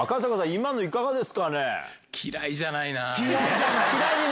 今のいかがですかね？